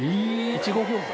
いちご餃子？